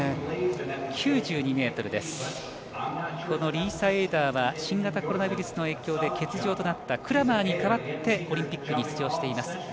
このリーサ・エーダーは新型コロナウイルスの影響で欠場となったクラマーに代わってオリンピックに出場しています。